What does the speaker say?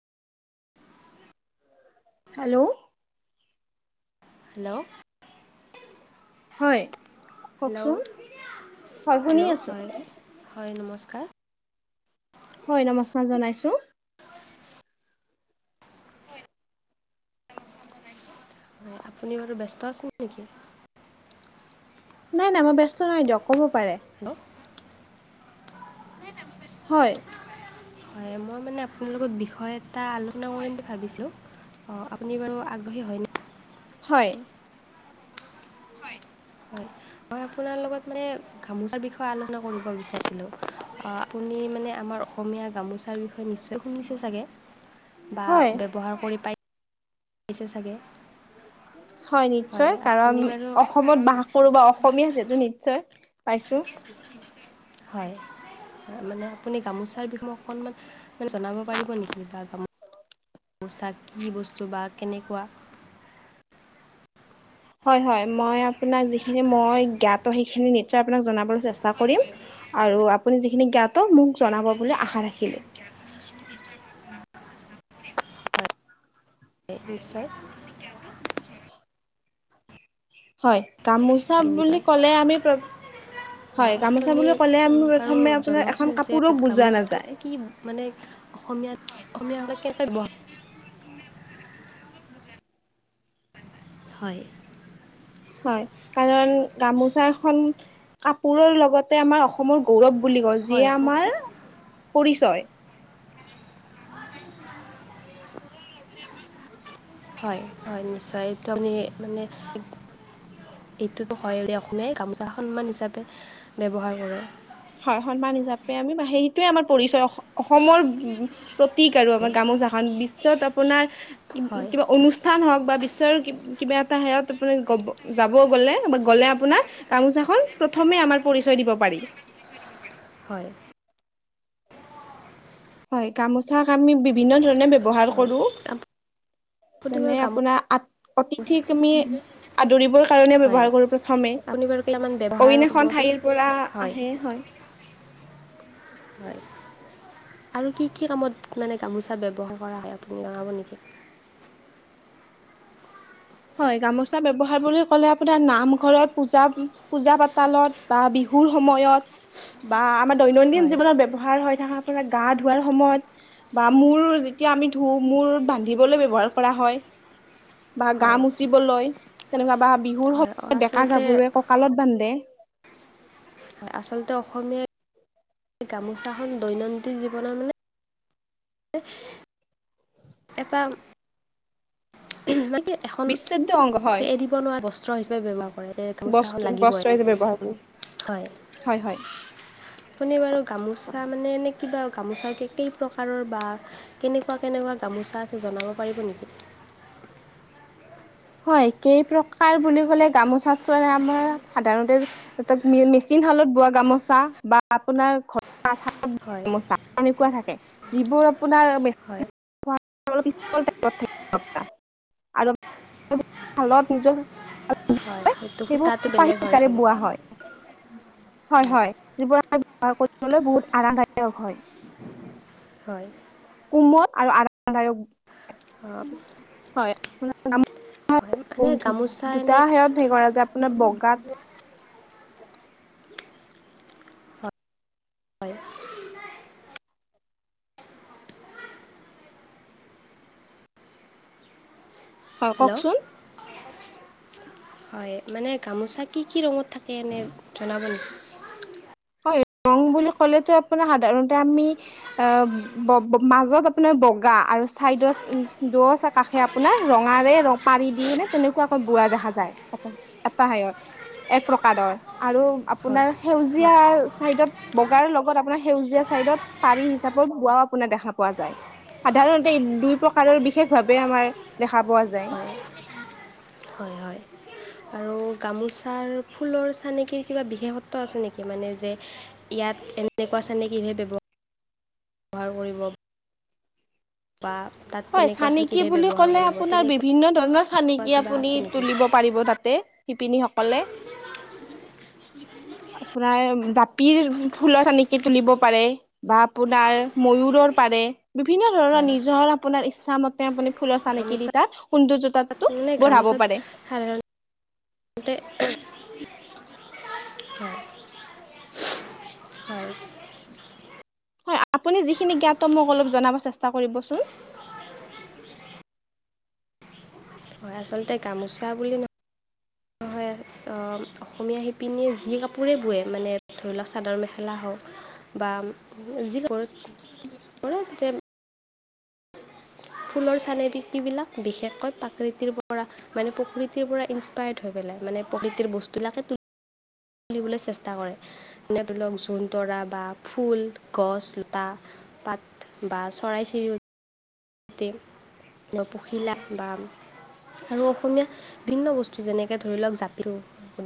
Hello? Hello? হয় hello কওকচোন হয় শুনি হেল্ল' আছোঁ। হয় হয় নমস্কাৰ। হয় নমস্কাৰ জনাইছোঁ। হয় আপুনি বাৰু ব্যস্ত আছে নেকি। নাই, নাই মই ব্যস্ত নাই দিয়ক ক'ব পাৰে। হেল্ল'? [inaudible] হয়। হয় মই মানে আপোনাল লগত বিষয় এটা আলোচনা কৰিম বুলি ভাবিছোঁ। অ, আপুনি বাৰু আগ্ৰহী হয় নে। হয়। হয়, মই আপোনাৰ লগত মানে গামোচাৰ বিষয়ে আলোচনা কৰিব বিচাৰিছিলোঁ। আপুনি মানে আমাৰ অসমীয়া গামোচাৰ হয়, নিচয় শুনিচে চাগে, বা হয় ব্যৱহাৰ কৰি পায়। পিছে চাগে হয় নিশ্চয় আপুনি কাৰণ বাৰু অসমত বাস কৰো বাও সমীয়া যেটো নিশ্চয় পাইছোঁ। [inaudible] হয়, হয় মানে আপুনি গামোচাৰ বিষয়ে মোক অকণমান জনাব পাৰিব নেকি বা গামো পোছাক কি বস্তু বা কেনেকুৱা হয়, হয় মই আপোনাক যিখিনি মই জ্ঞাত সেইখিনি নিশ্চয় আপোনাক জনাবলৈ চেষ্টা কৰিম। আৰু আপুনি যিখিনি জ্ঞাত মোক জনাব বুলি আশা ৰাখিলোঁ। এপিছত হয় গামোচা বুলি ক'লে আমি প্ৰয়প অ, আপুনি বাৰু প্ৰথমে আপোনাৰ এখন জনাওকচোন যে কাপোৰক বুজোৱা নাযায় মানে অসমীয়াত অসমীয়া হলে কেনেকৈ বোৱাম। হয়। হয় কাৰণ গামোচা এখন কাপোৰৰ লগতে আমাৰ অস অসমৰ গৌৰৱ বুলি কওঁ যিয়ে হয় আমাৰ কওকচোন পৰিচয় হয়, হয় নিশ্চয় এইটো আমি মানে এইটোতো হয় অসমীয়াই গামোচা সন্মান হিচাপে ব্যৱহাৰ কৰে। হয় সন্মান হিচাপে আমি বা হেইটোৱে আমাৰ পৰিচয় অসমৰ প্ৰতীক আৰু আমাৰ হয় গামোচা হন বিশ্বত আপোনাৰ হয় কিবা অনুচ স্থান হওক বা বিশ্বৰ কিবা এটা হেয়ত আপুনি গ যাব গ'লে বা গ'লে আপোনাৰ গামোচাখন প্ৰথমে আমাৰ পৰিচয় দিব পাৰি। হয়। হয় গামোচাক আমি বিভিন্ন ধৰণে ব্যৱহাৰ হয়। কৰো। আপুনি যেনে বাৰু গামোচা আপোনাৰ আত অতিথিক আমি আদৰিবৰ কাৰণে হয় ব্যৱহাৰ কৰোঁ প্ৰথমে। আপুনি বাৰু কেইটামান ব্যৱহাৰ অইন খন কৰিবচোন ঠাইৰ পৰা হয় আহে হয়। হয়। আৰু কি, কি কামত মানে গামোচা ব্যৱহাৰ কৰা হয় আপুনি লঙাব নেকি। হয় গামোচা ব্যৱহাৰ বুলি ক'লে আপোনাৰ নামঘৰত পূজা, পূজা পাতালত বা বিহুৰ সময়ত বা আমাৰ দৈনন্দিন হয় জীৱনত ব্যৱহাৰ হৈ থাকা আপোনাৰ গা ধোৱাৰ সময়ত বা মূৰ যেতিয়া আমি ধোওঁ মূৰ বান্ধিবলৈ ব্যৱহাৰ কৰা হয় বা গা হয় মোচিবলৈ তেনেকুৱা বা বিহুৰ হয় সময়ত ডেকা আচলতে গাভৰুৱে কঁকালত বান্ধে হয় আচলতে অসমীয়াই গামোচাখন দৈনন্দিন জীৱনত মানে এটা মানে কি এখন বিচ্ছেদ্য অংগ হয় চে এৰিব নোৱাৰা বস্ত্ৰ হিচাপে ব্যৱহাৰ কৰে একদম গামোচা খন বস্ত্ৰ বস্ত্ৰ লাগিবই হিচাপে ব্যৱহাৰ কৰোঁ হয়। হয় হয় আপুনি বাৰু গামোচা মানে এনে কিবা গামোচা কে কেই প্ৰকাৰৰ বা কেনেকুৱা, কেনেকুৱা গামোচা আছে জনাব পাৰিব নেকি? হয় কেই প্ৰকাৰ বুলি ক'লে গামোচা চোৱৰে আমাৰ সাধাৰণতে মেচিন শালত বোৱা গামোচা বা আপোনাৰ ঘৰ তাত হয় গামোচা তেনেকুৱা থাকে যিবোৰ হয় আপোনাৰে শালত নিজৰ হয় সেইটো সেইবোৰ সূতাটো কপাহী বেলেগ হয় সুতাৰে চাগে বোৱা হয়। হয়, হয় যিবোৰ আমাৰ বৱহাৰ কৰিবলৈ বহুত আৰামদায়ক হয়। হয়। কোমল আৰু আৰামদায়ক। অ' হয় মানে আৰ গামোচা দুটা এনে সেত [unintelligible] হে কৰা যে আপোনাৰ বগাত হয়। হয় হেল্ল' কওকচোন হয় মানে গামোচা কি কি ৰঙত থাকে এনে জনাব নেকি? হয় ৰং বুলি ক'লেতো আপোনাৰ সাধাৰণতে আমি এ মাজত আপোনাৰ বগা আৰু চাইডত দ কাষে আপোনাৰ ৰঙাৰে ৰ পাৰি দি এনে তেনেকুৱাকৈ বুঢোৱা দেখা যায় এ এটা ঠাইত। এক প্ৰকাৰৰ আৰু হয় আপোনাৰ হয় সেউজীয়া চাইডত বগাৰ লগত আপোনাৰ সেউজীয়া চাইদত পাৰী হিচাপত বোৱাও আপোনাৰ দেখা পোৱা যায়। সাধাৰণতে দুই প্ৰকাৰৰ বিশেষ ভাৱে আমাৰ দেখা পোৱা যায়। হয়, হয়, হয় আৰু গামোচাৰ ফুলৰ চানেকিৰ কিবা বিশেষত্ব আছে নেকি মানে যে ইয়াত এনেকুৱা চেনেকীহে ব্যৱহাৰ কৰিব বা তাত হয় তেনেকুৱা চানেকি চানেকিৰহে বুলি ব্যৱহাৰ কৰিব আপোনাৰ তেনেকুৱা বিভিন্ন ধৰণৰ চানেকি কিবা আপুনি আছে নেকি তুলিব পাৰিব তাতে। শিপিনীসকলে। [unintelligible] আপোনাৰ জাপিৰ ফুলৰ চানেকি তুলিব পাৰে বা আপোনাৰ ময়ুৰৰ পাৰে। বিভিন্ন ধৰণৰ হয় নিজৰ আপোনাৰ ইচ্ছামত তেওঁ আপুনি ফুলৰ চানেকি দি গামোচাত তাত সৌন্দৰ্যটো মানে বনাব গামোচাত পাৰে। সাধাৰণতে হয়। হয় আপুনি যিখিনি জ্ঞাত মোক অলপ জনাব চেষ্টা কৰিবচোন। হয় আচলতে গামোচা বুলি নহয় অসমীয়া শিপিনীয়ে যি কাপোৰে বোৱে মানে ধৰি লওক চাদৰ মেখেলা হওক বা যি ফুলৰ চানেকিবিলাক বিশেষকৈ প্ৰাকৃতিৰ পৰা মানে প্ৰকৃতিৰ পৰা ইনসপায়াৰ্ড হৈ পেলাই মানে প্ৰকৃতিৰ বস্তুবাকে ফুলিবলৈ চেষ্টা কৰে যেনে ধৰি লওক জুন- তৰা বা ফুল গছ-লতা পাত বা চৰাই- চিৰিকটি যাতে ন পখিলা বা আৰু অসমীয়া বিভিন্ন বস্তু যেনেকে ধৰি লওক জাপিও